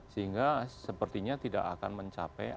sehingga sepertinya tidak akan mencapai